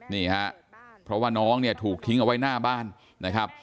นี่ฮะเพราะว่าน้องเนี่ยถูกทิ้งเอาไว้หน้าบ้านนะครับ